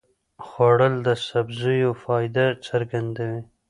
خوړل د سبزیو فایده څرګندوي